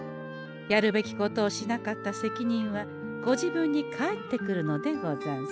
やるべきことをしなかった責任はご自分に返ってくるのでござんす。